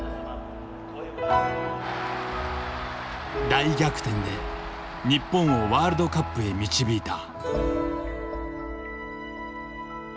大逆転で日本をワールドカップへ導いた。